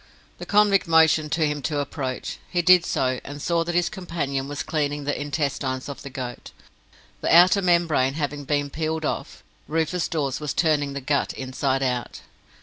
The convict motioned to him to approach. He did so, and saw that his companion was cleaning the intestines of the goat. The outer membrane having been peeled off, Rufus Dawes was turning the gut inside out.